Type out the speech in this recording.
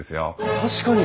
確かに！